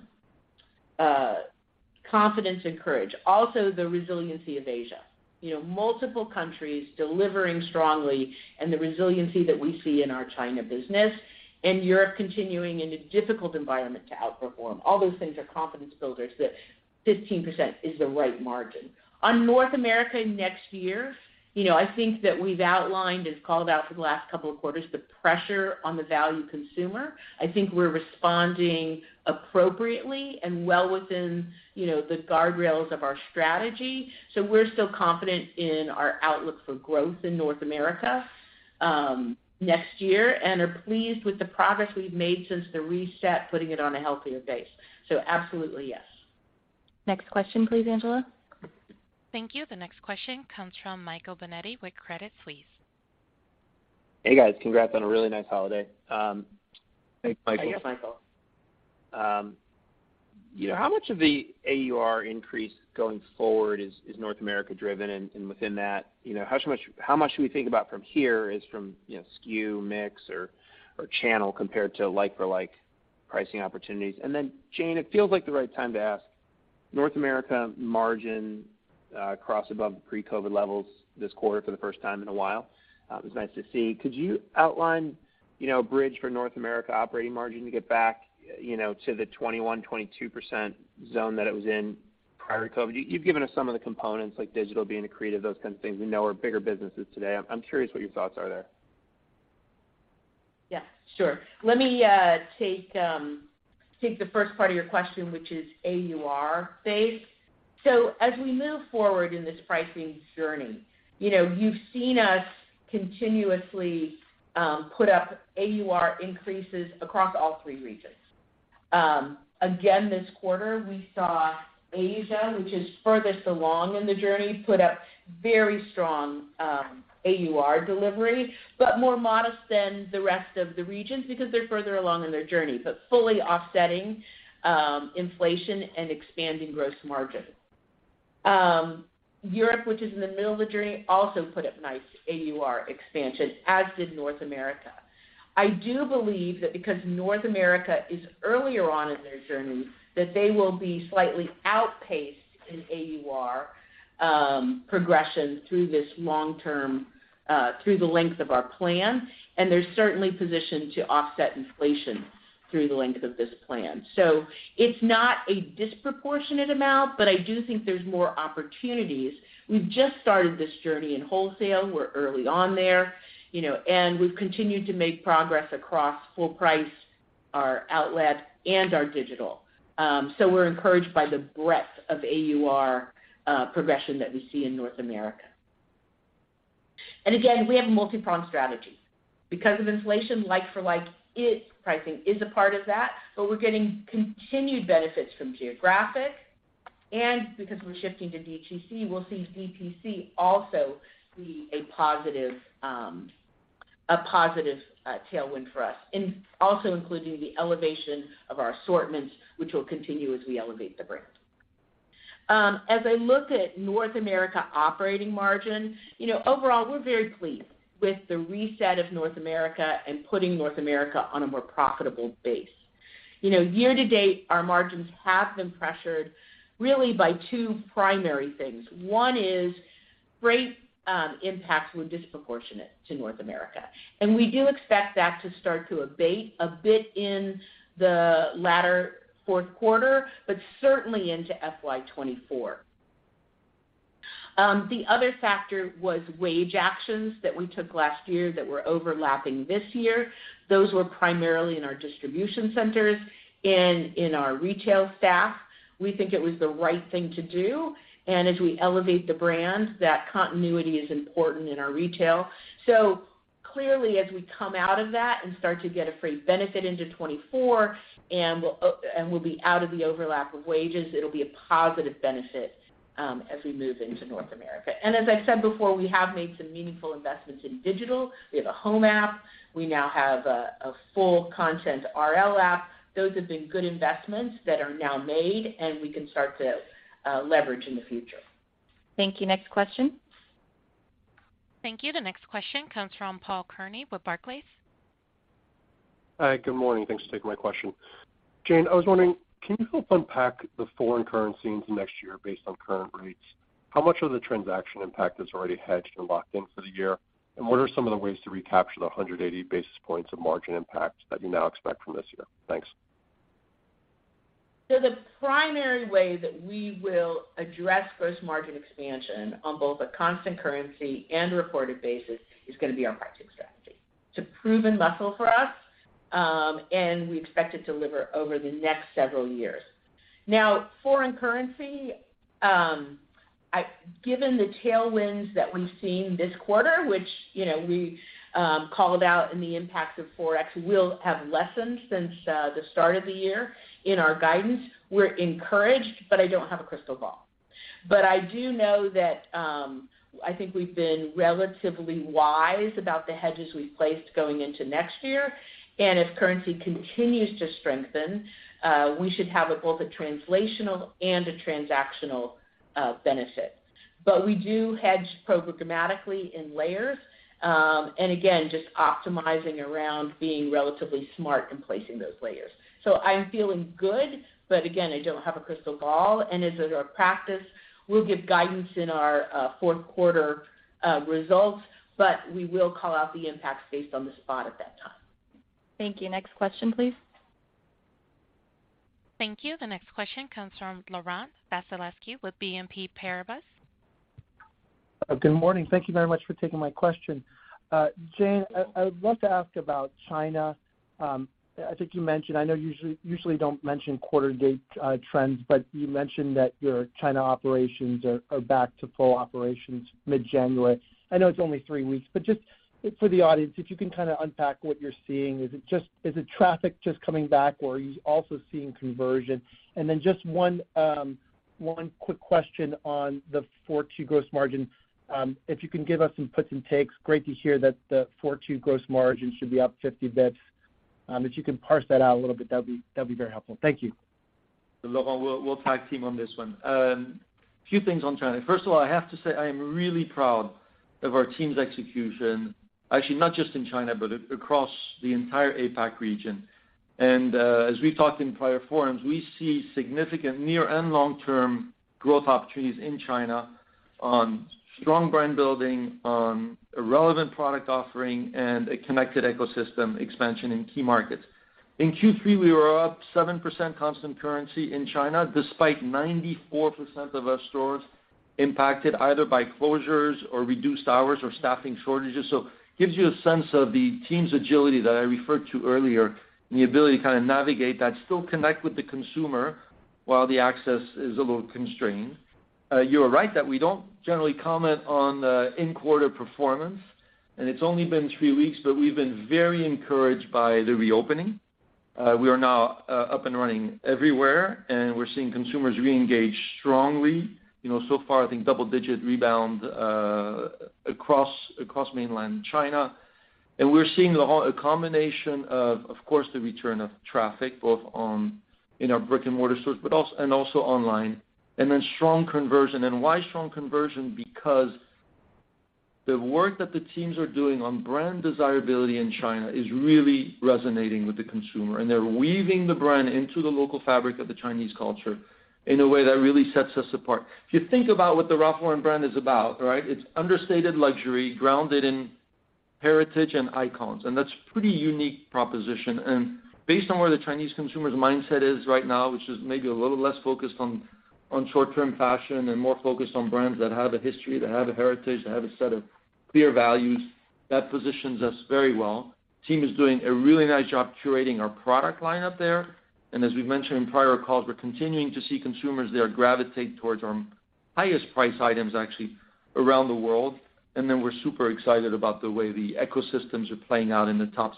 Speaker 4: confidence and courage. The resiliency of Asia. You know, multiple countries delivering strongly and the resiliency that we see in our China business and Europe continuing in a difficult environment to outperform. All those things are confidence builders that 15% is the right margin. On North America next year, you know, I think that we've outlined and called out for the last couple of quarters the pressure on the value consumer. I think we're responding appropriately and well within, you know, the guardrails of our strategy. We're still confident in our outlook for growth in North America, next year and are pleased with the progress we've made since the reset, putting it on a healthier base. Absolutely, yes.
Speaker 1: Next question, please, Angela. Thank you. The next question comes from Michael Binetti with Credit Suisse.
Speaker 7: Hey, guys. Congrats on a really nice holiday.
Speaker 3: Thanks, Michael.
Speaker 4: Thank you, Michael.
Speaker 7: You know, how much of the AUR increase going forward is North America driven? Within that, you know, how much should we think about from here is from SKU mix or channel compared to like-for-like pricing opportunities? Then Jane, it feels like the right time to ask, North America margin crossed above pre-COVID levels this quarter for the first time in a while. It was nice to see. Could you outline, you know, a bridge for North America operating margin to get back, you know, to the 21%-22% zone that it was in prior to COVID? You've given us some of the components like digital being accretive, those kinds of things we know are bigger businesses today. I'm curious what your thoughts are there.
Speaker 4: Yeah, sure. Let me take the first part of your question, which is AUR, Dave. As we move forward in this pricing journey, you know, you've seen us continuously put up AUR increases across all three regions. Again, this quarter, we saw Asia, which is furthest along in the journey, put up very strong AUR delivery, but more modest than the rest of the regions because they're further along in their journey, but fully offsetting inflation and expanding gross margin. Europe, which is in the middle of the journey, also put up nice AUR expansion, as did North America. I do believe that because North America is earlier on in their journey, that they will be slightly outpaced in AUR progression through this long term through the length of our plan. They're certainly positioned to offset inflation through the length of this plan. It's not a disproportionate amount, but I do think there's more opportunities. We've just started this journey in wholesale. We're early on there, you know, and we've continued to make progress across full price, our outlet and our digital. We're encouraged by the breadth of AUR progression that we see in North America. Again, we have a multi-pronged strategy. Because of inflation, like-for-like pricing is a part of that, but we're getting continued benefits from geographic, and because we're shifting to DTC, we'll see DTC also be a positive, a positive tailwind for us, and also including the elevation of our assortments, which will continue as we elevate the brand. As I look at North America operating margin overall, we're very pleased with the reset of North America and putting North America on a more profitable base. You know, year-to-date, our margins have been pressured really by two primary things. One is freight, impacts were disproportionate to North America. We do expect that to start to abate a bit in the latter fourth quarter, but certainly into FY 2024. The other factor was wage actions that we took last year that were overlapping this year. Those were primarily in our distribution centers and in our retail staff. We think it was the right thing to do. As we elevate the brand, that continuity is important in our retail. Clearly, as we come out of that and start to get a free benefit into 2024 and we'll be out of the overlap of wages, it'll be a positive benefit as we move into North America. As I said before, we have made some meaningful investments in digital. We have a home app. We now have a full content RL app. Those have been good investments that are now made, and we can start to leverage in the future.
Speaker 3: Thank you. Next question.
Speaker 1: Thank you. The next question comes from Paul Kearney with Barclays.
Speaker 8: Hi. Good morning. Thanks for taking my question. Jane, I was wondering, can you help unpack the foreign currency into next year based on current rates? How much of the transaction impact is already hedged and locked in for the year? What are some of the ways to recapture the 180 basis points of margin impact that you now expect from this year? Thanks.
Speaker 4: The primary way that we will address gross margin expansion on both a constant currency and reported basis is gonna be our pricing strategy. It's a proven muscle for us, and we expect it to deliver over the next several years. Foreign currency, given the tailwinds that we've seen this quarter, which, you know, we called out in the impacts of Forex will have lessened since the start of the year in our guidance. We're encouraged, but I don't have a crystal ball. I do know that I think we've been relatively wise about the hedges we placed going into next year, and if currency continues to strengthen, we should have a both a translational and a transactional benefit. We do hedge programmatically in layers, and again, just optimizing around being relatively smart in placing those layers. I'm feeling good, but again, I don't have a crystal ball, and as is our practice, we'll give guidance in our fourth quarter results, but we will call out the impacts based on the spot at that time.
Speaker 3: Thank you. Next question, please.
Speaker 1: Thank you. The next question comes from Laurent Vasilescu with BNP Paribas.
Speaker 9: Good morning. Thank you very much for taking my question. Jane, I would love to ask about China. I think you mentioned, I know you usually don't mention quarter date trends, but you mentioned that your China operations are back to full operations mid-January. I know it's only three weeks, but just for the audience, if you can kinda unpack what you're seeing. Is it traffic just coming back, or are you also seeing conversion? Just one quick question on the four two gross margin. If you can give us some puts and takes, great to hear that the four two gross margin should be up 50 basis points. If you can parse that out a little bit, that'd be very helpful. Thank you.
Speaker 3: Laurent, we'll tag team on this one. Few things on China. First of all, I have to say I am really proud of our team's execution, actually, not just in China, but across the entire APAC region. As we talked in prior forums, we see significant near and long-term growth opportunities in China on strong brand building, on a relevant product offering, and a connected ecosystem expansion in key markets. In Q3, we were up 7% constant currency in China, despite 94% of our stores impacted either by closures or reduced hours or staffing shortages. Gives you a sense of the team's agility that I referred to earlier and the ability to navigate that, still connect with the consumer while the access is a little constrained. You are right that we don't generally comment on the in-quarter performance, and it's only been three weeks, but we've been very encouraged by the reopening. We are now up and running everywhere, and we're seeing consumers reengage strongly. So far, I think double-digit rebound across mainland China. We're seeing a combination of course, the return of traffic, both in our brick-and-mortar stores, and also online, and then strong conversion. Why strong conversion? Because the work that the teams are doing on brand desirability in China is really resonating with the consumer, and they're weaving the brand into the local fabric of the Chinese culture in a way that really sets us apart. If you think about what the Ralph Lauren brand is about, right? It's understated luxury grounded in heritage and icons, that's pretty unique proposition. Based on where the Chinese consumer's mindset is right now, which is maybe a little less focused on short-term fashion and more focused on brands that have a history, that have a heritage, that have a set of clear values. That positions us very well. Team is doing a really nice job curating our product line up there. As we've mentioned in prior calls, we're continuing to see consumers there gravitate towards our highest priced items, actually, around the world. Then we're super excited about the way the ecosystems are playing out in the top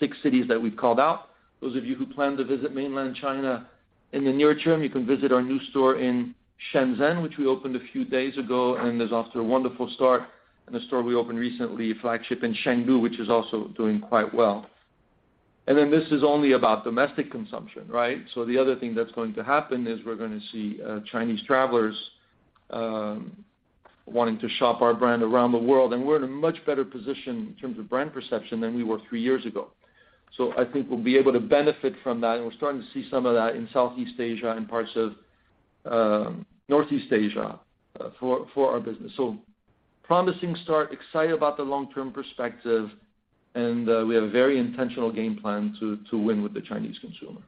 Speaker 3: six cities that we've called out. Those of you who plan to visit mainland China in the near term, you can visit our new store in Shenzhen, which we opened a few days ago, and is off to a wonderful start. The store we opened recently, a flagship in Chengdu, which is also doing quite well. This is only about domestic consumption. The other thing that's going to happen is we're gonna see, Chinese travelers, wanting to shop our brand around the world, and we're in a much better position in terms of brand perception than we were three years ago. I think we'll be able to benefit from that, and we're starting to see some of that in Southeast Asia and parts of, Northeast Asia, for our business. Promising start, excited about the long-term perspective, and we have a very intentional game plan to win with the Chinese consumer.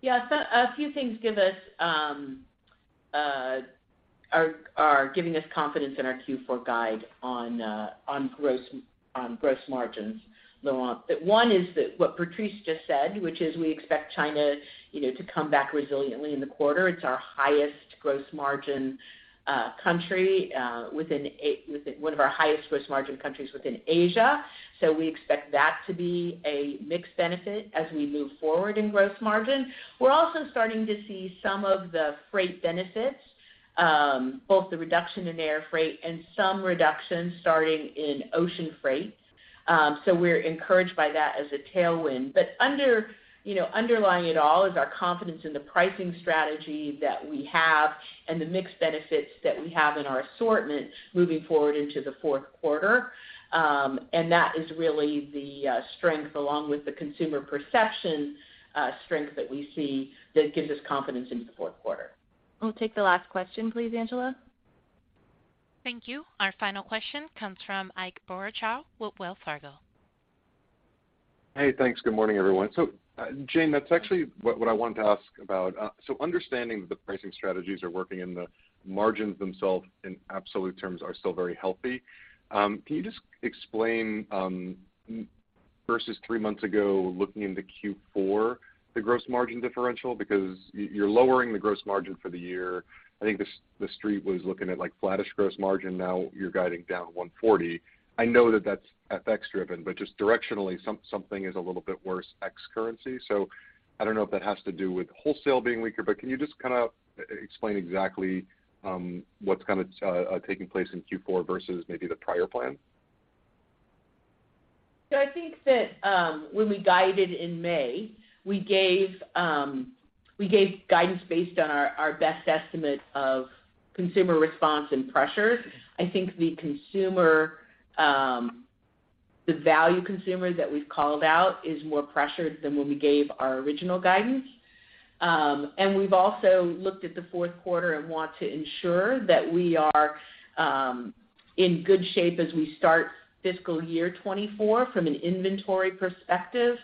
Speaker 4: Yeah. A few things give us are giving us confidence in our Q4 guide on gross margins, Laurent. One is that what Patrice just said, which is we expect China, you know, to come back resiliently in the quarter. It's our highest gross margin country within one of our highest gross margin countries within Asia. We expect that to be a mixed benefit as we move forward in gross margin. We're also starting to see some of the freight benefits, both the reduction in air freight and some reductions starting in ocean freight. We're encouraged by that as a tailwind. Underlying it all is our confidence in the pricing strategy that we have and the mix benefits that we have in our assortment moving forward into the fourth quarter. That is really the strength, along with the consumer perception, strength that we see that gives us confidence into the fourth quarter. We'll take the last question, please, Angela.
Speaker 1: Thank you. Our final question comes from Ike Boruchow with Wells Fargo.
Speaker 10: Thanks. Good morning, everyone. Jane, that's actually what I wanted to ask about. Understanding that the pricing strategies are working and the margins themselves in absolute terms are still very healthy, can you just explain versus three months ago, looking into Q4, the gross margin differential? You're lowering the gross margin for the year. I think the Street was looking at, like, flattish gross margin. Now you're guiding down 140. I know that that's FX driven, just directionally, something is a little bit worse ex-currency. I don't know if that has to do with wholesale being weaker. Can you just kinda explain exactly what's kinda taking place in Q4 versus maybe the prior plan?
Speaker 4: I think that when we guided in May, we gave guidance based on our best estimate of consumer response and pressures. I think the consumer, the value consumer that we've called out is more pressured than when we gave our original guidance. And we've also looked at the fourth quarter and want to ensure that we are in good shape as we start fiscal year 2024 from an inventory perspective.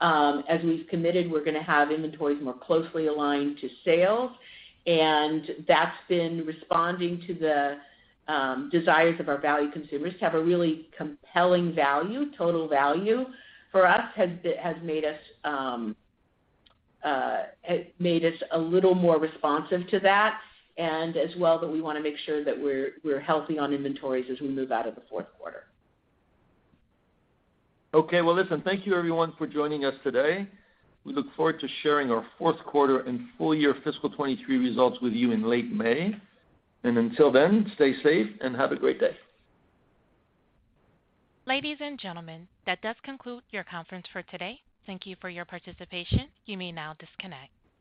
Speaker 4: As we've committed, we're gonna have inventories more closely aligned to sales, and that's been responding to the desires of our value consumers to have a really compelling value, total value. For us, has made us a little more responsive to that, as well that we wanna make sure that we're healthy on inventories as we move out of the fourth quarter.
Speaker 3: Okay. Well, listen, thank you everyone for joining us today. We look forward to sharing our fourth quarter and full year fiscal 2023 results with you in late May. Until then, stay safe and have a great day.
Speaker 1: Ladies and gentlemen, that does conclude your conference for today. Thank you for your participation. You may now disconnect.